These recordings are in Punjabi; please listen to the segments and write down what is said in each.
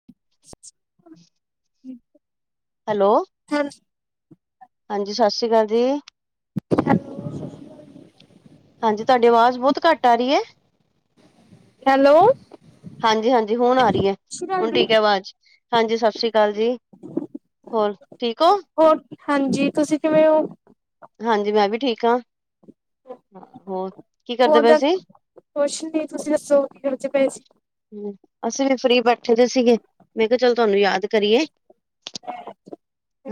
[inaudible] ਹੈਲੋ। ਹਾਂਜ ਹਾਂਜੀ, ਸਾ ਸੀ਼ ਕਾਲ ਜੀ। ਹਾਂਜੀ, ਤੁਆਡੀ ਆਵਾਜ਼ ਬੌਤ ਘੱਟ ਆ ਰੀ ਐ। ਹੈਲੋ ਹਾਂਜੀ-ਹਾਂਜੀ, ਹੁਣ ਆ ਰਹੀ ਐ, ਸਤਿ ਸ਼੍ਰੀ ਅਕਾਲ ਹੁਣ ਜੀ। ਠੀਕ ਐ ਵਾਜ਼। ਹਾਂਜੀ, ਸਤ ਸ਼੍ਰੀ ਕਾਲ ਜੀ। ਹੋਰ ਠੀਕ ਹੋ ਹੋਰ ਹਾਂਜੀ, ਤੁਸੀਂ ਕਿਵੇਂ ਔ? ਹਾਂਜੀ, ਮੈਂ ਵੀ ਠੀਕ ਆਂ, ਹਾਂ ਹੋਰ। ਕੀ ਕਰਦੇ ਹੋਰ ਪਏ ਤਾਂ ਸੀ ਕੋਛ ਨੀ। ਤੁਸੀਂ ਦੱਸੋ, ਕਿ ਕਰਦੇ ਪਏ ਸੀ? ਹੂੰ, ਅਸੀਂ ਵੀ ਫਰੀ ਬੈਠੇ ਦੇ ਸੀਗੇ, ਮੈਂ ਕਿਆ ਚਲ ਤੁਆਨੂੰ ਯਾਦ ਕਰੀਏ।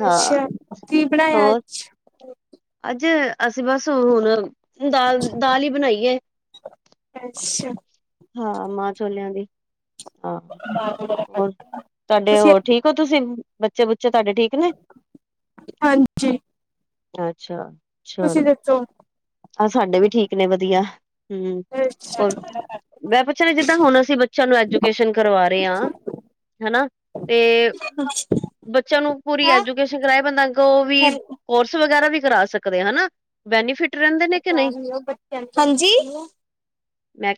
ਹਾਂ ਅੱਛਾ, ਕੀ ਬਣਾਇਆ ਹੋਰ ਅੱਜ? ਅੱਜ ਅਸੀਂ ਬਸ ਹੁਣ ਦਾਲ, ਦਾਲ ਈ ਬਣਾਈ ਏ। ਐਛਾ। ਹਾਂ, ਮਾਂ ਛੋਲਿਆਂ ਦੀ। ਹਾਂ, ਹੋਰ ਤੁਐਡੇ ਤੁਸੀਂ ਹੋਰ ਠੀਕ ਕੋ ਤੁਸੀਂ ਬੱਚੇ-ਬੁੱਚੇ ਤਾਡੇ ਠੀਕ ਨੇ? ਹਾਂਜੀ ਅੱਛਾ ਤੁਸੀਂ ਚਲੋ, ਦੱਸੋ ਆਹ ਸਾਡੇ ਵੀ ਠੀਕ ਨੇ, ਵਧੀਆ। ਹੂੰ, ਅੱਛਾ ਹੋਰ ਮੈਂ ਪੁੱਛਨਾ ਜਿੱਦਾਂ ਹੁਣ ਅਸੀਂ ਬੱਚਿਆਂ ਨੂੰ ਐਜੂਕੇਸ਼ਨ ਕਰਵਾ ਰੇ ਆਂ ਹਨਾ, ਤੇ [unintelligible] ਬੱਚਿਆਂ ਨੂੰ ਪੂਰੀ ਹੈਂ ਐਜੂਕੇਸ਼ਨ ਕਰਾਏ ਬੰਦਾ ਗੋਹ ਵੀ ਹੈਲੋ ਕੋਰਸ ਵਗੈਰਾ ਵੀ ਕਰਾ ਸਕਦੇ ਆ, ਹਨਾ। ਬੈਨੀਫਿਟ ਰੈੰਦੈ ਹਾਂਜੀ।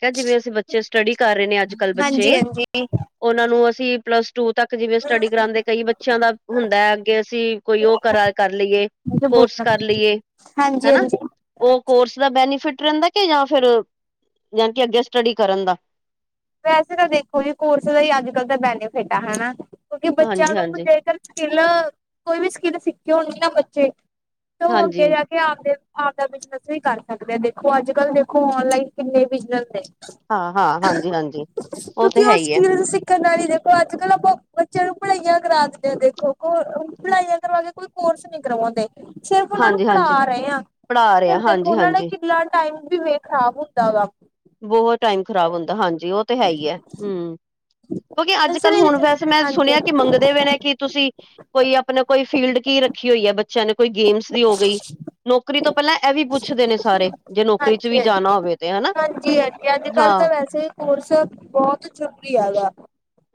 ਐ ਜਿਵੇਂ ਅਸੀਂ ਬੱਚੇ ਸਟੱਡੀ ਕਰ ਰੇ ਨੇ ਅੱਜਕੱਲ੍ਹ ਹਾਂਜੀ ਬੱਚੇ, ਹਾਂਜੀ ਓਨਾਂ ਨੂੰ ਅਸੀਂ ਪਲੱਸ ਟੂ ਤੱਕ ਜਿਵੇਂ ਸਟੱਡੀ ਕਰਾਂਦੇ, ਕਈ ਬੱਚਿਆਂ ਦਾ ਹੁੰਦਾ ਐ ਅੱਗੇ ਅਸੀਂ ਕੋਈ ਓਹ ਕਰਾ, ਕਰ ਲਈਏ ਕੋਰਸ ਕਰ ਲੀਏ। ਹਾਂਜੀ, ਹਾਂਜੀ। ਉਹ ਕੋਰਸ ਦਾ ਬੈਨੀਫਿਟ ਰੈੰਦਾ ਕਿ ਯਾਂ ਫਿਰ ਯਾਨੀ ਕਿ ਅੱਗੇ ਸਟੱਡੀ ਕਰਨ ਦਾ। ਵੈਸੇ ਤਾਂ ਦੇਖੋ ਜੀ, ਕੋਰਸ ਦਾ ਈ ਅੱਜਕੱਲ੍ਹ ਤਾਂ ਬੈਨੀਫਿਟ ਆ ਹਨਾ, ਕਿਉਂਕਿ ਬੱਚਿਆਂ ਹਾਂਜੀ ਨੂੰ ਹਾਂਜੀ ਜੇਕਰ ਸਕਿੱਲਾ, ਕੋਈ ਵੀ ਸਕਿੱਲ ਸਿੱਖੀ ਹੋਣੀ ਨਾ ਬੱਚੇ, ਤੇ ਓਹ ਅੱਗੇ ਹਾਂਜੀ ਜਾ ਕ ਕੇ ਆਖਦੇ ਆਪਦਾ ਬਿਜਨਸ ਵੀ ਕਰ ਸਕਦੇ ਐ, ਦੇਖੋ ਅੱਜਕੱਲ ਦੇਖੋ ਔਨਲਾਈਨ ਕਿੰਨੇ ਬਿਜਨਸ ਨੇ। ਹਾਂ-ਹਾਂ, ਹਾਂਜੀ-ਹਾਂਜ ਕਿਓ ਕਿ ਓਹ ਸਕਿਲ ਸੀ ਤ ਨਾਲੀ ਦੇਖੋ ਅੱਜ-ਕੱਲ ਅਪਾਂ ਬੱਚਿਆਂ ਨੂੰ ਪੜ੍ਹਾਈਆਂ ਕਰਾ ਦੇਆਂ ਦੇਖੋ ਕੋ ਹੋਰ ਪੜ੍ਹਾਈਆਂ ਕਰਵਾ ਕੇ ਕੋਈ ਕੋਰਸ ਨੀ ਕਰਵਾਉਂਦੇ ਸਿਰਫ ਉਹਨਾਂ ਨੂੰ ਹਾਂਜੀ ਹਾਂਜੀ ਪੜ੍ਹਾ ਰਏ ਆਂ ਪੜ੍ਹਾ ਰਿਹਾ ਫਿਰ ਦੇਖੋ ਹਾਂਜੀ ਓਨਾਂ ਨੇ ਹਾਂਜੀ ਕਿਣ ਯਾਰ ਟਾਈਮ ਵੀ ਵੇਖ ਖਰਾਬ ਹੁੰਦਾ ਵਾ। ਬਹੋਤ ਟਾਈਮ ਖਰਾਬ ਹੁੰਦੈ, ਹਾਂਜੀ। ਓਹ ਤੇ ਹੈ ਈ ਐ। ਹੂੰ, ਕਿਉਂਕਿ ਇਸ ਅੱਜ-ਕੱਲ੍ਹ ਲਈ ਹੁਣ ਵੈਸੇ ਮੈਂ ਹਾਂਜੀ ਸੁਣਿਐ ਕਿ ਹਾਂਜੀ ਮੰਗਦੇ ਵੇਨੇ ਕੀ ਤੁਸੀਂ ਕੋਈ ਅਪਣਾ ਕੋਈ ਫੀਲਡ ਕੀ ਰੱਖੀ ਹੋਈ ਐ ਬੱਚਿਆਂ ਨੇ ਕੋਈ ਗੇਮਸ ਦੀ ਹੋ ਗਈ। ਨੌਕਰੀ ਤੋਂ ਪੈਲਾਂ ਐਹ ਵੀ ਪੁੱਛਦੇ ਨੇ ਸਾਰੇ, ਜੇ ਨੌਕਰੀ ਚ ਵੀ ਜਾਣਾ ਹੋਵੇ ਤੇ ਹਨਾ। ਕਿ ਅੱਜ-ਕੱਲ੍ਹ ਹਾਂ ਤਾਂ ਵੈਸੇ ਕੋਰਸ ਬੌਤ ਜ਼ਰੂਰੀ ਹੈਵੈ।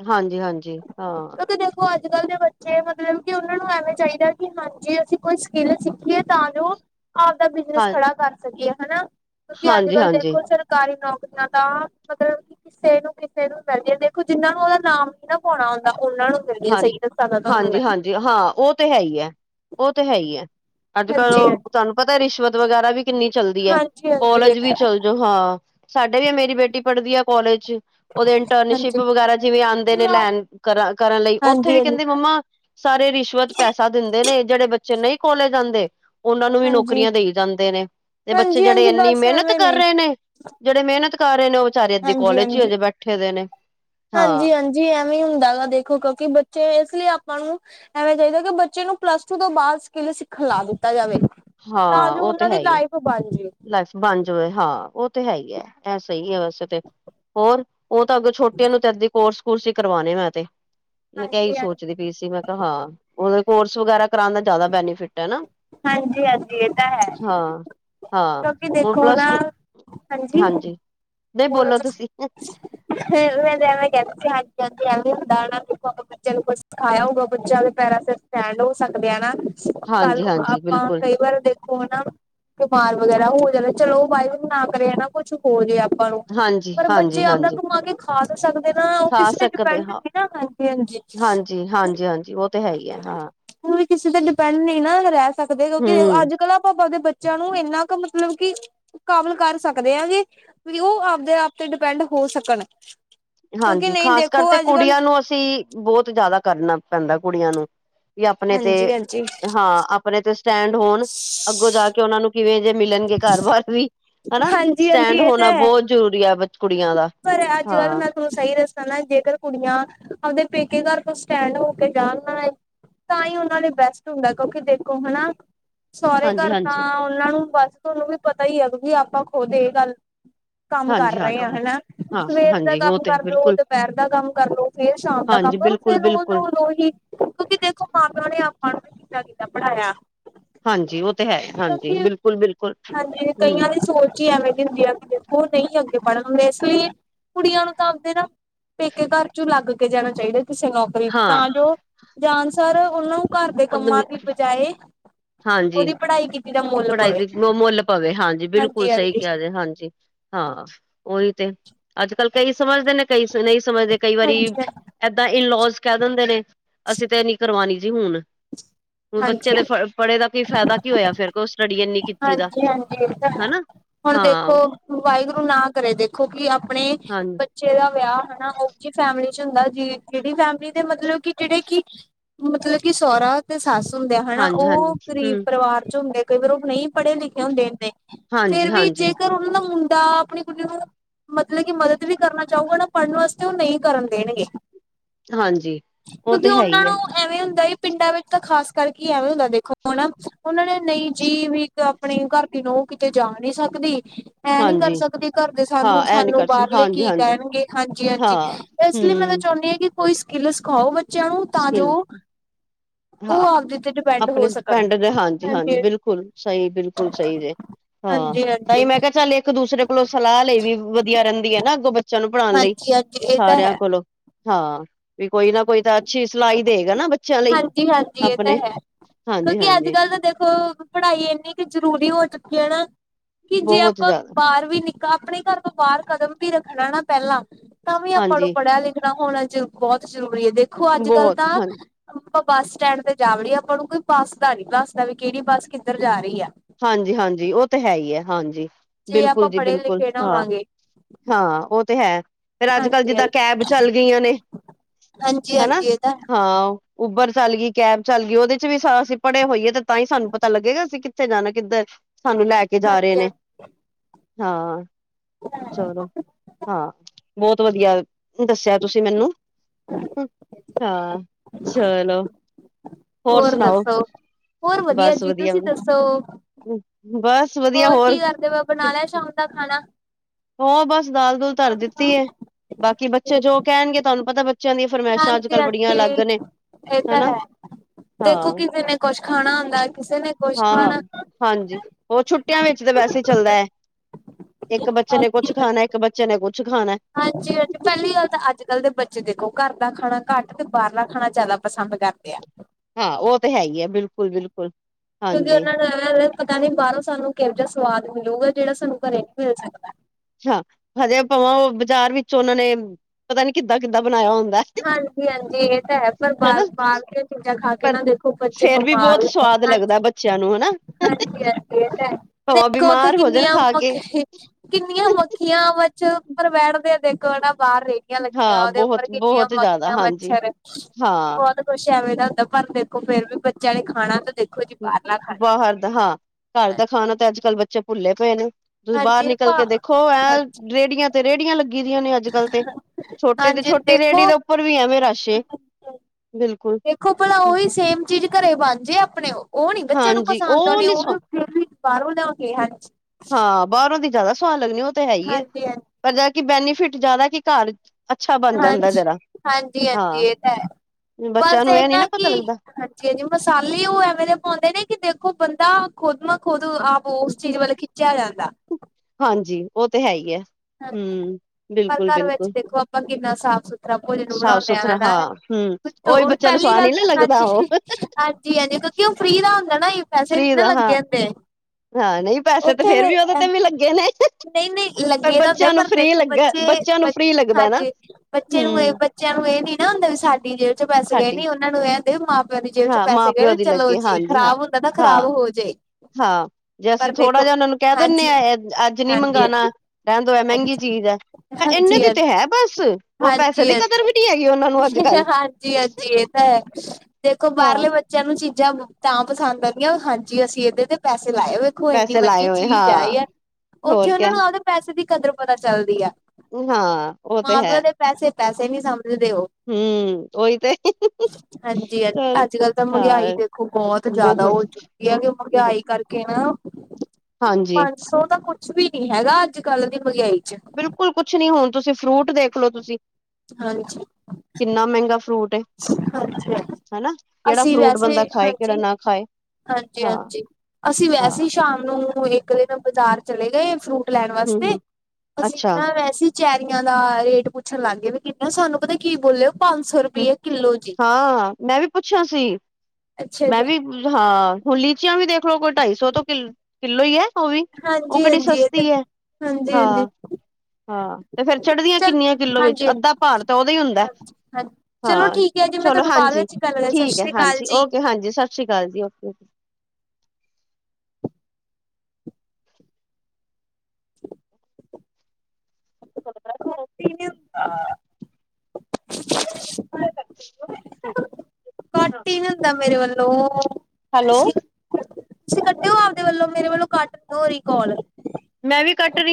ਹਾਂਜੀ ਹਾਂਜੀ, ਹਾਂ। ਤੇ ਦੇਖੋ ਅੱਜ-ਕੱਲ੍ਹ ਦੇ ਬੱਚੇ ਮਤਲਬ ਕਿ ਉਨਾਂ ਨੂੰ ਐਵੇਂ ਚਾਈਦੈ ਕਿ ਹਾਂਜੀ ਅਸੀਂ ਕੁਛ ਸਕੀਲ ਸਿੱਖੀਏ ਤਾਂ ਜੋ ਆਪਦਾ ਬਿਜਨਸ ਹਾਂ ਖੜਾ ਕਰ ਸਕੀਏ ਹਨਾ, ਕਿਉਂਕਿ ਅੱਜ- ਹਾਂਜੀ ਕੱਲ ਹਾਂਜੀ ਦੇਖੋ ਸਰ ਕਾਰੀ ਨੌਕਰੀਆਂ ਤਾ ਮਤਲਬ ਕਿ ਕਿਸੇ ਨੂੰ ਕਿਸੇ ਨੂੰ ਮਿਲਦੀਆਂ। ਦੇਖੋ ਜਿੰਨਾ ਨੂੰ ਓਹਦਾ ਨਾਮ ਨਾ ਪਾਉਣਾ ਹੁੰਦਾ ਉਹਨਾਂ ਨੂੰ ਮਿਲਦੀ ਏ ਹਾਂ ਸਹੀ, ਦੱਸਾਂ ਤੁਹਾਨੂੰ ਮੈਂ ਹਾਂਜੀ-ਹਾਂਜੀ ਹਾਂ ਉਹ ਤੇ ਹੈ ਹੀ ਹੈ, ਉਹ ਤੇ ਹੈ ਹੀ ਹੈ ਅੱਜ ਕੱਲ ਹਾਂਜੀ ਤੁਹਾਨੂੰ ਪਤਾ ਰਿਸ਼ਵਤ ਵਗੈਰਾ ਵੀ ਕਿੰਨੀ ਚੱਲਦੀ ਹੈ, ਹਾਂਜੀ ਹਾਂਜੀ ਇਹ ਕੋਲਜ ਵੀ ਤਾਂ ਹੈ ਚੱਲ ਜੋ ਹਾਂ, ਸਾਡੇ ਵੀ ਆ ਮੇਰੀ ਬੇਟੀ ਪੜ੍ਹਦੀ ਆ ਕੋਲਜ ਚ ਓਦੇ ਇੰਟਰਨਸ਼ਿਪ ਹਾਂਜੀ ਵਗੈਰਾ ਜਿਵੇਂ ਆਂਦੇ ਨੇ ਹਾਂਜੀ ਲੈਣ ਕਰਨ ਕਰਨ ਲਈ, ਓਥੇ ਵੀ ਹਾਂਜੀ ਕਹਿੰਦੇ ਮੰਮਾ ਸਾਰੇ ਰਿਸ਼ਵਤ ਪੈਸਾ ਦਿੰਦੇ ਨੇ, ਜਿਹੜੇ ਬੱਚੇ ਨਹੀਂ ਕੋਲੇਜ ਜਾਂਦੇ ਉਹਨਾਂ ਨੂੰ ਵੀ ਹਾਂਜੀ ਨੌਕਰੀਆਂ ਦੇਈ ਜਾਂਦੇ ਨੇ, ਤੇ ਬੱਚੇ ਹਾਂਜੀ ਜਿਹੜੇ ਹਾਂਜੀ ਇੰਨੀ ਬਸ ਮੇਹਨਤ ਐਵੇਂ ਕਰ ਰਹੇ ਨੇ ਜਿਹੜੇ ਮਿਹਨਤ ਕਰ ਰਹੇ ਨੇ ਉਹ ਵਿਚਾਰੇ ਏਦਾ ਈ ਹਾਂਜੀ ਕੋਲੇਜ ਚ ਹੀ ਹਾਂਜੀ ਅਜੇ ਬੈਠੇ ਦੇ ਨੇ ਹਾਂ ਜੀ ਐਵੇਂ ਈ ਹੁੰਦਾ ਵਾ ਦੇਖੋ, ਕਿਉਂਕਿ ਬੱਚੇ ਇਸ ਲਈ ਆਪਾਂ ਨੂੰ ਐਵੇਂ ਚਾਹੀਦਾ, ਕਿ ਬੱਚੇ ਨੂੰ ਪਲੱਸ ਟੂ ਤੋਂ ਬਾਅਦ ਸਕਿੱਲ ਸਿੱਖਣ ਲਾ ਦਿੱਤਾ ਜਾਵੇ ਤਾਂ ਹਾਂ ਜੋ ਉਹ ਉਹਨਾਂ ਤੇ ਹੈ ਦੀ ਹੀ ਹੈ। ਲਾਈਫ ਬਣ ਜਾਏ ਲਾਈਫ ਬਣ ਜਾਵੇ, ਹਾਂ ਉਹ ਤੇ ਹੈ ਹੀ ਹੈ, ਇਹ ਸਹੀ ਹੈ ਵੈਸੇ ਤੇ ਹੋਰ ਉਹ ਤਾਂ ਅੱਗੋਂ ਛੋਟੇ ਨੂੰ ਤੇ ਏਦਾ ਈ ਕੋਰਸ ਕੂਰਸ ਹੀ ਕਰਵਾਉਣੇ ਮੈਂ ਤੇ, ਮੈਂ ਕਿਹਾ ਇਹੀ ਹਾਂਜੀ-ਹਾਂਜੀ, ਸੋਚਦੀ ਬੀ ਸੀ ਮੈਂ ਕਿਹਾ ਹਾਂ, ਉਹ ਕੋਰਸ ਵਗੈਰਾ ਕਰਾਉਣ ਦਾ ਜ਼ਿਆਦਾ ਬੈਨੀਫਿਟ ਹੈ ਨਾ ਹਾਂਜੀ ਹਾਂਜੀ ਇਹ ਤਾਂ ਹੈ ਹਾਂ ਹਾਂ ਕਿਉਂਕਿ ਹੁਣ ਦੇਖੋ ਪਲੱਸ ਨਾ, ਟੂ ਹਾਂਜੀ [inaudible] ਨਹੀਂ ਬੋਲੋ ਤੁਸੀਂ ਮੈਂ ਤਾਂ ਐਵੇਂ ਕਹਿੰਦੀ ਸੀ, ਹਾਂਜੀ ਹਾਂਜੀ ਐਵੇਂ ਹੁੰਦਾ ਨਾਂ ਦੇਖੋ ਅਪਾ ਬਚਿਆ ਨੂੰ ਕੁੱਛ ਸਿਖਾਇਆ ਹੋਊਗਾ ਬੱਚੇ ਆਪਣੇ ਪੈਰਾਂ ਤੇ ਸਟੈਂਡ ਹੋ ਸਕਦੇ ਐ ਹੈਨਾ, ਕੱਲ ਹਾਂਜੀ ਨੂੰ ਹਾਂਜੀ ਆਪਾਂ ਬਿਲਕੁਲ ਕਈ ਵਾਰ ਦੇ ਔ ਨਾ ਬੀਮਾਰ ਵਗੈਰਾ ਹੋ ਜਵੇ, ਚਲੋ ਵਾਹਿਗੁਰੂ ਨਾ ਕਰੇ ਹਨਾਂ ਕੁਛ ਹੋ ਜੇ ਆਪਾਂ ਨੂੰ, ਹਾਂਜੀ ਪਰ ਬੱਚੇ ਹਾਂਜੀ ਆਪਦਾ ਹਾਂਜੀ ਕਮਾ ਕੇ ਖਾ ਤਾਂ ਸਕਦੇ ਨਾ, ਉਹ ਖਾ ਕਿਸ ਤੇ ਸਕਦੇ ਡਿਪੈਂਡ ਹਾਂ ਨਹੀਂ ਨਾ ਹਾਂਜੀ ਹਾਂਜੀ ਹਾਂਜੀ ਹਾਂਜੀ ਉਹ ਤੇ ਹੈ ਹੀ ਹੈ, ਹਾਂ ਹੁਣ ਵੀ ਕਿਸੇ ਤੇ ਡਿਪੈਂਡ ਨਹੀਂ ਨਾ ਰਹਿ ਸਕਦੇ, ਕਿਉਂਕਿ ਹਮ ਅੱਜ ਕੱਲ੍ਹ ਆ ਆਪਦੇ ਦੇ ਬੱਚੇ ਚਲੋ ਇੰਨਾ ਕੁ ਮਤਲਬ ਕਿ ਕੰਮ ਕਰ ਸਕਦੇ ਆ ਕਿ ਵੀ ਉਹ ਆਪਦੇ ਆਪ ਤੇ ਡਿਪੈਂਡ ਹੋ ਸਕਣ ਕਿਉਂਕਿ ਹਾਂਜੀ, ਨਹੀਂ ਖਾਸ ਕਰ ਦੇਖੋ ਤੇ ਅੱਜ ਕੱਲ ਕੁੜੀਆਂ ਨੂੰ ਅਸੀ ਤੇ ਬਹੁਤ ਜ਼ਿਆਦਾ ਕਰਨਾ ਪੈਂਦਾ ਕੁੜੀਆਂ ਨੂੰ, ਵੀ ਆਪਣੇ ਤੇ ਹਾਂਜੀ ਹਾਂਜੀ ਹਾਂ ਆਪ ਆਪਣੇ ਤੇ ਸਟੈਂਡ ਹੋਣ, ਅੱਗੋਂ ਜਾ ਕੇ ਉਹਨਾਂ ਨੂੰ ਕਿਵੇਂ ਜੇ ਮਿਲਣਗੇ ਘਰ ਬਾਰ ਵੀ, ਹੈਨਾ ਹਾਂਜੀ ਹਾਂਜੀ ਸਟੈਂਡ ਇਹ ਤਾਂ ਹੋਣਾ ਹੈ ਬਹੁਤ ਜ਼ਰੂਰੀ ਆ ਬਚ ਕੁੜੀਆਂ ਦਾ ਪਰ ਅੱਜ ਕੱਲ੍ਹ ਹਾਂ ਮੈਂ ਤੁ ਸਹੀ ਰਸਤਾ ਨਾ, ਜੇਕਰ ਕੁੜੀਆਂ ਆਪਦੇ ਪੇਕੇ ਘਰ ਤੋਂ ਸਟੈਂਡ ਹੋ ਕੇ ਜਾਣ ਨਾ ਤਾਂ ਹੀ ਉਹਨਾਂ ਲਈ ਬੈਸਟ ਹੁੰਦਾ, ਕਿਉਂਕਿ ਦੇਖੋ ਹਨਾ ਸਹੁਰੇ ਹਾਂਜੀ ਘਰ ਹਾਂਜੀ ਤਾਂ ਉਹਨਾਂ ਨੂੰ ਬਸ ਤੁਹਾਨੂੰ ਵੀ ਪਤਾ ਹੀ ਆ, ਕਿਉਂਕਿ ਆਪਾਂ ਖੁਦ ਇਹ ਗੱਲ ਕੰਮ ਕਰ ਹਾਂਜੀ ਹਾਂ ਰਹੇ ਆ ਹਨਾ ਹਾਂ ਸਵੇਰ ਦਾ ਹਾਂਜੀ ਉਹ ਕੰਮ ਤੇ ਹੈ ਕਰਲੋ, ਬਿਲਕੁਲ ਦੁਪਹਿਰ ਦਾ ਕੰਮ ਕਰ ਲੋ, ਫੇਰ ਸ਼ਾਮ ਦਾ ਹਾਂਜੀ ਕੰਮ ਕਰ ਬਿਲਕੁਲ ਫਿਰ ਰੋਜ਼ ਬਿਲਕੁਲ ਰੋਜ਼ ਔ ਹੀ ਕਿਉਂਕਿ ਦੇਖੋ ਮਾਂ ਪਿਓ ਨੇ ਆਪਾਂ ਨੂੰ ਵੀ ਕੀਦਾਂ ਕੀਦਾਂ ਪੜ੍ਹਾਇਆ ਹਾਂਜੀ ਉਹ ਤੇ ਹੈ ਹਾਂਜੀ ਕਿਉਂਕਿ ਬਿਲਕੁਲ ਬਿਲਕੁਲ ਹਾਂਜੀ, ਕਈਆਂ ਹਮ ਦੀ ਸੋਚ ਐਵੇਂ ਦ ਹੁੰਦੀ ਆ। ਉਹ ਨਹੀਂ ਆਉਂਦੇ। ਬਣਾਉਣ, ਇਸ ਲਈ ਕੁੜੀਆਂ ਨੂੰ ਤਾਂ ਆਪਦੇ ਨਾ, ਪੇਕੇ ਘਰ ਚ ਲੱਗ ਕੇ ਜਾਣਾ ਚਾਹੀਦਾ, ਕਿਸੇ ਨੋਕਰੀ ਹਾਂ ਤਾਂ ਜੋ ਜਾਨ ਸਾਰ ਓਨੂੰ ਘਰ ਦੇ ਉਹਨੂੰ ਕੰਮਾਂ ਵੀ ਦੀ ਬਜਾਏ, ਹਾਂਜੀ ਉਹਦੀ ਪੜ੍ਹਾਈ ਦੀ ਪੜ੍ਹਾਈ ਦੀ ਮੁੱਲ ਪਵੇ। ਹਾਂਜੀ, ਬਿਲਕੁਲ ਸਹੀ ਕਿਹਾ ਜੇ। ਹਾਂਜੀ। ਹਾਂ, ਉਹੀ ਤੇ ਅੱਜ-ਕੱਲ ਕਈ ਸਮਝਦੇ ਨੇ, ਕਈ ਨਹੀਂ ਸਮਝਦੇ, ਕਈ ਵਾਰੀ ਹਾਂਜੀ ਏਦਾਂ ਇਨਲੋਜ ਕਹਿ ਦਿੰਦੇ ਨੇ, ਅਸੀਂ ਤੇ ਨਈ ਕਰਵਾਣੀ ਜੀ ਹੁਣ। ਹੁਣ ਬੱਚੇ ਹਾਂਜੀ ਦੇ ਫ ਪੜ੍ਹੇ ਦਾ ਕੀ ਫਾਇਦਾ, ਕੀ ਹੋਇਆ? ਫਿਰ ਕੁਛ ਹਾਂਜੀ-ਹਾਂਜੀ, ਇਹ ਤਾਂ ਹੈ। ਹੁਣ ਦੇਖੋ, ਹਾਂ ਵਾਹੇਗੁਰੂ ਨਾ ਕਰੇ। ਦੇਖੋ, ਕੀ ਆਪਣੇ ਹਾਂਜੀ। ਬੱਚੇ ਦਾ ਵਿਆਹ ਹਨਾ। ਉਖੀ ਫੈਮਿਲੀ ਚ ਹੁੰਦਾ, ਜ- ਜਿਹੜੀ ਫੈਮਿਲੀ ਦੇ ਮਤਲਬ ਕਿ ਜਿਹੜੇ ਕੀ ਮਤਲਬ ਕਿ ਸੋਹਰਾ ਤੇ ਸੱਸ ਹੁੰਦੇ ਆ ਹਨਾ, ਹਾਂਜੀ ਹਾਂਜੀ ਉਹ ਗਰੀਬ ਹਮ ਪਰਿਵਾਰ ਚ ਹੁੰਦੇ। ਕਈ ਵਾਰ, ਉਹ ਨਹੀਂ ਪੜ੍ਹੇ ਲਿਖੇ ਹੁੰਦੇ-ਹੁੰਦੇ। ਹਾਂਜੀ ਫੇਰ ਵੀ ਹਾਂਜੀ ਜੇਕਰ ਉਹਨਾਂ ਦਾ ਮੁੰਡਾ ਆਪਣੀ ਕੁੜੀ ਨੂੰ ਮਤਲਬ ਕਿ ਮਦੱਦ ਵੀ ਕਰਨਾ ਚਾਹੂਗਾ ਨਾ ਪੜ੍ਹਨ ਵਾਸਤੇ, ਉਹ ਨਹੀਂ ਕਰਨ ਦੇਣਗੇ। ਹਾਂਜੀ ਉਹ ਕਿਉਂਕਿ ਤੇ ਹੈ ਉਨਾਂ ਹੀ ਹੈ ਨੂੰ ਐਵੇਂ ਹੁੰਦਾ ਏ। ਪਿੰਡਾਂ ਵਿੱਚ ਤਾਂ ਖਾਸ ਕਰਕੇ ਐਵੇਂ ਹੁੰਦਾ ਦੇਖੋ, ਹੋਣਾ। ਉਹਨਾਂ ਨੇ ਨਈ ਜੀ ਵੀ ਤੇ ਆਪਣੀ ਘਰ ਕੀ ਨੂੰਹ ਕਿਤੇ ਜਾ ਨਈ ਸਕਦੀ। ਇਹ ਨਈ ਕਰ ਹਾਂਜੀ ਸਕਦੀ। ਘਰ ਦੇ ਹਾਂ ਇਹ ਨੀ ਸਾਨੂੰ-ਸਾਨੂੰ ਕਰ ਬਾਹਰਲੇ ਹਾਂਜੀ ਕੀ ਹਾਂਜੀ ਕਹਿਣਗੇ? ਹਾਂ ਹਾਂਜੀ-ਹਾਂਜੀ। ਇਸ ਲਈ ਮੈਂ ਤਾਂ ਹਮ ਚਾਓਨੀ ਆ, ਕਿ ਕੋਈ ਸਕਿੱਲ ਸਿਖਾਓ ਬੱਚਿਆਂ ਨੂੰ ਤਾਂ ਜੋ ਸਕਿੱਲ ਉਹ ਹਾਂ। ਆਪਦੇ ਤੇ ਡਿਪੈਂਡ ਆਪਣੇ ਹੋ ਸਕਣ ਡਪੈੰਂਡ ਦੇ ਹਾਂਜੀ-ਹਾਂਜੀ, ਹਾਂਜੀ ਬਿਲਕੁਲ ਸਹੀ। ਬਿਲਕੁਲ ਸਹੀ ਜੇ। ਹਾਂ, ਹਾਂਜੀ ਤਾਂਹੀ ਹਾਂਜੀ ਮੈਂ ਕਿਹਾ ਚੱਲ ਇੱਕ- ਦੂਸਰੇ ਕੋਲੋਂ ਸਲਾਹ ਲਈ ਵੀ ਵਧੀਆ ਰਹਿੰਦੀ ਹੈ ਨਾ। ਅੱਗੋਂ ਬੱਚਿਆਂ ਨੂੰ ਪੜ੍ਹਾਣ ਲਈ ਹਾਂਜੀ ਹਾਂਜੀ ਇਹ ਤਾਂ ਸਾਰਿਆਂ ਹੈ ਕੋਲੋਂ। ਹਾਂ, ਵੀ ਕੋਈ ਨਾ, ਕੋਈ ਤਾਂ ਅੱਛੀ ਸਲਾਹ ਹੀ ਦੇਗਾ ਨਾ ਬੱਚਿਆਂ ਲਈ ਹਾਂਜੀ-ਹਾਂਜੀ। ਇਹ ਤਾਂ ਆਪਣੇ ਹੈ ਕਿਉਂਕਿ ਹਾਂਜੀ-ਹਾਂਜੀ, ਅੱਜ-ਕੱਲ੍ਹ ਤਾਂ ਦੇਖੋ ਪੜ੍ਹਾਈ ਇੰਨੀ ਕੁ ਜ਼ਰੂਰੀ ਹੋ ਚੁੱਕੀ ਹੈ ਨਾ, ਕਿ ਜੇ ਬਹੁਤ ਆਪਾਂ ਜ਼ਿਆਦਾ ਬਾਹਰ ਵੀ ਨਿਕ ਆਪਣੇ ਘਰ ਤੋਂ ਬਾਹਰ ਕਦਮ ਵੀ ਰੱਖਣਾ ਨਾ ਪਹਿਲਾਂ, ਤਾਂ ਵੀ ਆਪਾਂ ਨੂੰ ਹਾਂਜੀ, ਪੜ੍ਹਿਆ ਲਿਖਣਾ ਹੋਣਾ ਜਰੁ ਬੋਹਤ ਜ਼ਰੂਰੀ ਐ ਦ ਬੋਹਤ, ਹਾਂਜੀ। ਆਪਾਂ ਬੱਸ ਸਟੈਂਡ ਤੇ ਜਾ ਵੜੀਏ, ਆਪਾਂ ਨੂੰ ਕੋਈ ਬੱਸਦਾ ਨੀ ਦੱਸਦਾ, ਵੀ ਕਿਹੜੀ ਬੱਸ ਕਿੱਧਰ ਜਾ ਰਹੀ ਐ। ਹਾਂਜੀ-ਹਾਂਜੀ, ਉਹ ਤਾਂ ਹੈ ਹੀ ਐ। ਹਾਂਜੀ, ਜੇ ਬਿਲਕੁਲ ਆਪਾਂ ਜੀ ਪੜ੍ਹੇ ਬਿਲਕੁਲ ਲਿਖੇ ਨਾ ਹਾਂ। ਹੋਵਾਂਗੇ ਹਾਂ, ਉਹ ਤੇ ਹੈ। ਫੇਰ ਅੱਜ-ਕੱਲ ਹਾਂਜੀ ਜਿੱਦਾਂ ਹਾਂਜੀ ਕੈਬ ਚੱਲ ਗਈਆਂ ਨੇ। ਹਾਂਜੀ ਹਨਾ, ਹਾਂਜੀ ਇਹ ਤਾਂ ਹਾਂ। ਉਬਰ ਚੱਲ ਗਈ, ਕੈਬ ਚੱਲ ਗਈ। ਉਹਦੇ ਚ ਵੀ ਅਸੀਂ ਪੜੇ ਹੋਈਏ ਤੇ ਤਾਂ ਹੀ ਸਾਨੂੰ ਪਤਾ ਲੱਗੇਗਾ। ਅਸੀਂ ਕ ਉੱਥੇ ਜਾਣਾ ਕਿੱਧਰ, ਸਾਨੂੰ ਲੈ ਕੇ ਜਾ ਰਹੇ ਹਾਂਜੀ ਨੇ, ਹਾਂ। ਚਲੋ, ਹਾਂ। ਬਹੁਤ ਵਧੀਆ ਦੱਸਿਆ ਤੁਸੀਂ ਮੈਨੂੰ। ਹਾਂ, ਚਲੋ। ਹੋਰ ਸੁਣਾਓ? ਬਸ ਵਧੀਆ ਵ ਹੈਲੋ। ਬਸ, ਵਧੀਆ ਹੋਰ। ਹੋ ਬਣਾ ਲਿਆ ਸ਼ਾਮ ਦਾ ਖਾਣਾ ਉਹ ਬਸ ਦਾਲ-ਦੂਲ ਧਰ ਹਾਂਜੀ ਦਿੱਤੀ ਏ। ਹਾਂਜੀ ਬਾਕੀ ਬੱਚੇ ਜੋ ਕਹਿਣਗੇ, ਤੁਹਾਨੂੰ ਪਤਾ ਬ ਹਾਂਜੀ-ਹਾਂਜੀ। ਇਹ ਤਾਂ ਹਨਾ। ਹੈ, ਦੇਖੋ ਹਾਂ, ਕਿਸੇ ਨੇ ਕੁਛ ਖਾਣਾ ਹੁੰਦਾ। ਕਿਸੇ ਨੇ ਕੁਛ ਹਾਂ-ਹਾਂ। ਖਾਣਾ ਹਾਂਜੀ, ਉਹ ਛੁੱਟੀਆਂ ਵਿੱਚ ਤਾਂ ਵੈਸੇ ਈ ਚੱਲਦਾ ਐ। ਇੱਕ ਬੱਚੇ ਨੇ ਕੁਛ ਖਾਣਾ, ਇੱਕ ਬੱਚੇ ਨੇ ਕੁਛ ਖਾਣਾ। ਹਾਂਜੀ-ਹਾਂਜੀ। ਪਹਿਲੀ ਗੱਲ ਤਾਂ ਅੱਜ ਅਜ-ਕੱਲ ਦੇ ਬੱਚੇ ਦੇਖੋ, ਘਰ ਦਾ ਖਾਣਾ ਘੱਟ ਤੇ ਬਾਹਰਲਾ ਖਾਣਾ ਜ਼ਿਆਦਾ ਪਸੰਦ ਕਰਦੇ ਐ। ਹਾਂ। ਉਹ ਤੇ ਹੈ ਹੀ ਐ। ਬਿਲਕੁਲ-ਬਿਲਕੁਲ। ਕਿਉਂਕਿ ਉਹਨਾਂ ਨੂੰ ਐਂਵੇ ਕੇ ਪਤਾ ਨੀ ਬਾਹਰੋਂ ਸਾਨੂੰ ਕਿਹੋ ਜਿਹਾ ਸਵਾਦ ਮਿਲੇਗਾ? ਜਿਹੜਾ ਸਾਨੂੰ ਘਰੇ ਨੀ ਮਿਲ ਸਕਦਾ। ਅੱਛਾ ਹਜੇ ਭਵਾਂ ਬਾਜ਼ਾਰ ਵਿੱਚ ਉਹਨਾਂ ਨੇ ਪਤਾ ਨੀ ਕਿੱਦਾ- ਕਿੱਦਾਂ ਬਣਾਇਆ ਹੁੰਦਾ। ਹਾਂਜੀ, ਹਾਂਜੀ ਏਹ ਤਾਂ ਹੈ ਪਰ ਹਨਾ ਬ-ਬਾਹਰ ਦੀ ਚੀਜ਼ਾਂ ਖਾ ਕੇ ਪਰ ਨਾ ਦੇਖੋ ਬੱਚੇ ਫੇਰ ਵੀ ਬਿਮਾਰ ਬਹੁਤ ਹੋਣ, ਸਵਾਦ ਲੱਗਦਾ ਹਾਂਜੀ। ਬੱਚਿਆਂ ਨੂੰ ਹਨਾ ਹਾਂਜੀ, ਹਾਂਜੀ ਇਹ ਤਾਂ ਹੈ। ਭਾਵਾਂ ਦੇਖੋ ਉਥੇ ਬਿਮਾਰ ਹੋ ਜਾਣ ਕਿੰਨੀਆਂ ਖਾ ਕੇ। ਮੱਖੀ ਕਿੰਨੀਆਂ ਮੱਖੀਆਂ, ਮੱਛਰ ਉੱਪਰ ਬੈਠਦੇ ਆ ਦੇਖੋ ਨਾ ਬਾਹਰ ਰੇਹੜੀਆਂ ਲੱਗੀਆਂ ਹਾਂ ਉਹਦੇ ਉੱਪਰ ਬਹੁਤ ਕਿ ਬਹੁਤ ਜ਼ਿਆਦਾ ਮੱਖੀਆਂ, ਹਾਂਜੀ ਮੱਛਰ ਹਾਂ। ਬਹੁਤ ਕੁਛ ਐਵੇਂ ਦਾ ਹੁੰਦਾ ਪਰ ਦੇਖੋ ਫੇਰ ਵੀ ਬੱਚਿਆਂ ਨੇ ਖਾਣਾ ਤੇ ਬਾਹਰ ਦਾ ਹਾਂ। ਘਰ ਦਾ ਖਾਣਾ ਤੇ ਅੱਜ-ਕਲ ਬੱਚੇ ਭੁੱਲੇ ਪਏ ਨੇ। ਤੁਸੀਂ ਬਾਰ ਹਾਂਜੀ ਨਿਕਲ ਭਾ ਕੇ ਦੇਖੋ, ਐਂ ਹਾਂਜੀ, ਰੇਹੜੀਆਂ ਤੇ ਰੇਹੜੀਆਂ ਲੱਗੀ ਗੀਆਂ ਦੀਆਂ ਨੇ ਅੱਜ-ਕਲ ਤੇ ਛੋਟੇ ਤੇ ਹਾਂਜੀ ਛੋਟੀ ਰੇੜੀ ਦੇਖੋ ਦੇ ਉੱਪਰ ਵੀ ਐਵੇੇ ਰਸ਼ ਏ ਬਿਲਕੁਲ। ਕੋ ਭਲਾ ਉਹੀ ਸੇਮ ਚੀਜ਼ ਘਰੇ ਬਣ ਜੇ ਆਪਣੇ, ਓ ਓ ਨੀਂ ਬੱਚਿਆਂ ਨੂੰ ਹਾਂਜੀ ਪਸੰਦ ਉਹ ਆਣੀ। ਨੀ ਓ ਸਵਾ ਵੀ ਫਿਰ ਵੀ, ਬਾਰੋਂ ਲਿਆ ਕੇ, ਹਾਂਜੀ। ਬਾਰੋਂ ਦੀ ਜ਼ਿਆਦਾ ਸਵਾਦ ਲੱਗਣੀ। ਓ ਤੇ ਹੈ ਈ ਏ ਹਾਂਜੀ-ਹਾਂਜੀ, ਪਰ ਜਦਕਿ ਬੈਨੀਫਿਟ ਜ਼ਿਆਦਾ ਕਿ ਘਰ ਅੱਛਾ ਬਣ ਜਾਂਦਾ ਹਾਂਜੀ, ਜਰਾ ਹਾਂਜੀ, ਹਾਂਜੀ ਹਾਂ ਏ ਤਾਂ ਹੈ ਬੱਚਿਆਂ ਬਸ, ਨੂੰ ਇਹ ਨੀ ਇਨ੍ਹਾਂ ਨਾ ਪਤਾ ਕਿ ਲੱਗਦਾ ਹਾਂਜ ਜੇਜੋ ਮਸਾਲੇ ਓ ਐਵੇਂ ਦੇ ਪਾਂਦੇ ਨੇ ਕਿ ਦੇਖੋ, ਬੰਦਾ ਖੁਦ ਮ ਖੁਦ ਆਪ ਓ ਉਸ ਚੀਜ਼ ਵੱਲ ਖਿੱਚਿਆ ਜਾਂਦਾ। ਹਾਂਜੀ, ਓ ਤੇ ਹੈ ਈ ਏ। ਹਾਂਜੀ, ਪਰ ਘਰ ਵਿੱਚ ਦੇਖੋ, ਆਪਾਂ ਕਿੰਨਾ ਸਾਫ਼-ਸੁਥਰਾ ਭੋਜਨ ਸਾਫ਼ ਬਣਾਉਣੇ ਆਂ। ਸੁਥਰਾ ਹਨਾਂ? ਹਾਂ ਹਮ ਉਹੀ ਹੁਣ ਬੱਚਿਆਂ ਨੂੰ ਪੈਲੀ ਸਵਾਦ ਗੱਲ ਨੀ ਨਾ ਲੱਗਦਾ ਹਾਂਜੀ, ਉਹ ਹਾਂਜੀ, ਹਾਂਜੀ ਕਿਉਂਕਿ ਓ ਫਰੀ ਦਾ ਹੁੰਦਾ ਨਾਂ ਜੀ ਫਰੀ ਦਾ ਹਾਂ, ਹਾਂ ਨਈਂ ਪੈਸੇ ਤੇ ਫੇਰ ਵੀ ਓਦੇ ਤੇ ਵੀ ਲੱਗੇ ਨੇ। ਨਈਂ, ਨਈਂ, ਪਰ ਲੱਗੇ ਤਾਂ ਹੁੰਦੇ ਬੱਚਿਆਂ ਨੂੰ ਪਰ ਫ੍ਰਰੀ ਦੇਖੋ, ਲੱਗਾ ਬੱਚੇ, ਬੱਚਿਆਂ ਨੂੰ ਬਚ ਫ੍ਰਰੀ ਲੱਗਦਾ ਨਾ ਹਾਂਜੀ ਬੱਚੇ ਨੂੰ ਏ ਬਚ ਹੂੰ ਬੱਚਿਆਂ ਨੂੰ ਏ ਨੀਂ ਨਾਂ ਹੁੰਦਾ ਵੀ ਸਾਡੀ ਜੇਬ ਚ ਪੈਸੇ ਗਏ ਸਾਡੀ ਨੀਂ, ਓਨਾਂ ਨੂੰ ਏਂ ਹੁੰਦਾ ਮਾਂ-ਪਿਓ ਦੀ ਜੇਬ ਚ ਹਾਂ ਪੈਸੇ ਮਾਂ ਗਏ ਪਿਓ ਨੇ ਦੀ ਚਲੋ ਲੱਗੇ ਜੀ। ਹਾਂਜੀ ਹਾਂ ਖਰਾਬ ਹੁੰਦਾ ਤਾਂ ਖਰਾਬ ਹਾਂ ਹੋ ਜੇ। ਹਾਂ ਜੇ ਪਰ ਅਸੀਂ ਥੋੜ੍ਹਾ ਦੇਖੋ ਜਿਆ ਓਨਾਂ ਨੂੰ ਕੈਅ ਦਿੰਦੇ ਹਾਂਜੀ, ਆਂ ਅ ਅੱਜ ਨਈਂ ਹਾਂਜੀ, ਮੰਗਾਣਾ। ਹਾਂਜੀ, ਰੈਣ ਦੋ ਏ ਮਹਿੰਗੀ ਹਾਂਜੀ, ਚੀਜ਼ ਏ। ਐਂਨੇਂ ਹਾਂਜੀ, ਦੀ ਤੇ ਹੈ ਬਸ, ਓ ਪੈਸੇ ਹਾਂਜੀ, ਦੀ ਕਦਰ ਹਾਂਜੀ। ਵੀ ਨੀਂ ਹੈਗੀ ਉਨ੍ਹਾਂ ਨੂੰ ਅੱਜ-ਕਲ। ਹਾਂਜੀ, ਹਾਂਜੀ ਇਹ ਦੇਖੋ, ਬਾਹਰਲੇ ਬੱਚਿਆਂ ਨੂੰ ਚੀਜ਼ਾਂ ਤਾਂ ਪਸੰਦ ਆਂਦੀਆਂ ਹਾਂਜੀ, ਅਸੀਂ ਇਹਦੇ ਤੇ ਪੈਸੇ ਲਾਏ ਵੇਖੋ, ਇੰਨੀ ਪੈਸੇ ਮਹਿੰਗੀ ਲਾਏ ਹੋਏ ਹਾਂ ਚੀਜ਼ ਆਈ ਏ। ਓਥੇ ਹੋਰ ਉਨ੍ਹਾਂ ਕਿਆ ਨੂੰ ਆਪਦੇ ਪੈਸੇ ਦੀ ਕਦਰ ਪਤਾ ਚੱਲਦੀ ਆ। ਹਾਂ, ਓ ਤੇ ਮਾਂ ਪਿਓ ਹੈ। ਦੇ ਪੈਸੇ, ਪੈਸੇ ਨ੍ਹੀਂ ਸਮਝਦੇ ਓ। ਹਂ, ਓਹੀ ਤੇ ਹਾਂਜੀ, ਹਾਂਜੀ ਚੱਲ ਅੱਜ-ਕਲ ਤੇ ਮਹਿੰਗਾਈ ਹਾਂ ਦੇਖੋ ਬੋਤ ਜ਼ਿਆਦਾ ਹੋ ਬਹੁਤ ਚੁੱਕੀ ਏ ਕਿ ਮਹਿੰਗਾਈ ਕਰਕੇ ਨਾ [inaudible] ਪੰਜ ਸੌ ਤਾਂ ਕੁੱਛ ਵੀ ਨੀਂ ਹੈਗਾ, ਅੱਜ-ਕਲ ਦੀ ਮੰਹਗਾਈ ਚ। ਬਿਲਕੁਲ ਕੁਛ ਨੀਂ ਹੁਣ ਤੁਸੀਂ ਫਰੂਟ ਦੇਖਲੋ ਤੁਸੀਂ। ਹਾਂਜੀ। ਕਿੰਨਾ ਮਹਿੰਗਾ ਫਰੂਟ ਏ, ਹਾਂਜੀ। ਹਨਾਂ? ਕਿਹੜਾ ਅਸੀਂ ਫਰੂਟ ਵੈਸੇ ਬੰਦਾ ਖਾਏ ਕਿਹੜਾ ਹਾਂਜੀ, ਨਾ ਖਾਏ। ਹਾਂਜੀ, ਹਾਂ ਹਾਂਜੀ ਅਸੀਂ ਹਾਂ ਵੈਸੇ ਈ ਸ਼ਾਮ ਨੂੰ ਇੱਕ ਦਿਨ ਬਾਜ਼ਾਰ ਚਲੇ ਗਏ ਫਰੂਟ ਲੈਣ ਹੂੰ ਵਾਸਤੇ ਹੂੰ ਅਸੀਂ ਅੱਛਾ ਨਾ ਵੈਸੇ ਈ ਚੈਰੀਆਂ ਦਾ ਰੇਟ ਪੁੱਛਣ ਲੱਗ ਗਏ ਵੀ ਕਿੰਨੇ, ਸਾਨੂੰ ਪਤਾ ਕੀ ਬੋਲੇ ਪੰਜ ਸੌ ਹੂੰ ਰਪਈਏ। ਹਾਂ, ਮੈਂ ਵੀ ਪੁੱਛਿਆ ਸੀ। ਅੱਛਾ ਮੈਂ ਜੀ, ਵੀ ਹਾਂ, ਹੁਣ ਲੀਚੀਆਂ ਵੀ ਦੇਖ ਲੋ, ਕੋਈ ਢਾਈ ਸੌ ਤੋਂ ਕਿਲ ਕਿੱਲੋ ਈ ਏ ਓ ਵੀ। ਓ ਹਾਂਜੀ, ਕਿਹੜੀ ਹਾਂਜੀ ਇਹ ਸਸਤੀ ਤੇ ਏ, ਹਾਂਜੀ, ਹਾਂਜੀ ਹਾਂ। ਹਾਂ ਤੇ ਫੇਰ ਚੜ੍ਹਦੀਆਂ ਚੱਲ ਕਿੰਨੀਆਂ ਕਿੱਲੋ ਵਿੱਚ, ਹਾਂਜੀ, ਅੱਧਾ ਭਾਰ ਤਾਂ ਓਦਾ ਈ ਹੁੰਦਾ। ਹਾਂਜੀ, ਹਾਂਜੀ, ਚਲੋ ਹਾਂ ਠੀਕ ਏ ਜੀ, ਮੈਂ ਚਲੋ ਤਾਨੂੰ ਬਾਅਦ ਹਾਂਜੀ ਵਿੱਚ ਗਲ ਕਰਾ ਸਤਿ ਠੀਕ ਹੈ ਸ੍ਰੀ ਅਕਾਲ ਹਾਂਜੀ ਜੀ। ਓਕੇ ਹਾਂਜੀ, ਸਤ ਸਤਿ ਸ੍ਰੀ ਅਕਾਲ ਜੀ। Okay, okay. [inaudible] [inaudible] ਕੋਪੀ ਨ੍ਹੀਂ ਹੁੰਦਾ। ਕੱਟ ਹੀ ਨਹੀ ਹੁੰਦਾ ਮੇਰੇ ਵੱਲ ਲੋ ਤੁਸੀਂ ਹੈਲੋ ਕੱਟਿਓ ਆਪਦੇ ਵੱਲੋਂ ਮੇਰੇ ਵੱਲੋਂ ਕੱਟ ਨੀ ਹੋ ਰਹੀ ਕਾਲ ਮੈਂ ਵੀ ਕੱਟ ਰਹੀ